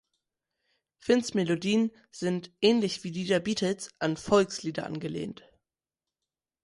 Finns Melodien sind ähnlich wie die der Beatles an Volkslieder angelehnt.